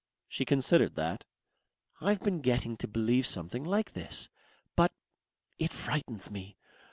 She considered that. "I've been getting to believe something like this. But ... it frightens me.